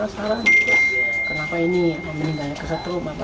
saya sedang bertanya kepada aliahi buxy